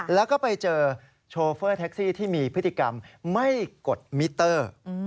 แล้วก็ไปเจอโชเฟอร์แท็กซี่ที่มีพฤติกรรมไม่กดมิเตอร์